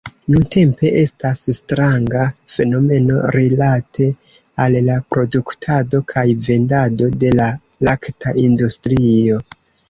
Nuntempe estas stranga fenomeno rilate al la produktado kaj vendado de la lakta industrio.